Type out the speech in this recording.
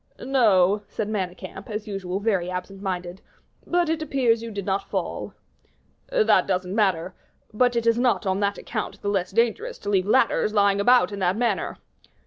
"No," said Manicamp, as usual very absent minded, "but it appears you did not fall." "That doesn't matter; but it is not on that account the less dangerous to leave ladders lying about in that manner."